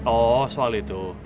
oh soal itu